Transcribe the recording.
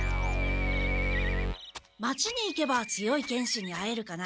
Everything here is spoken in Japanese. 町に行けば強い剣士に会えるかな？